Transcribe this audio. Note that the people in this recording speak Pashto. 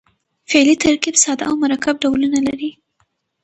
فعلي ترکیب ساده او مرکب ډولونه لري.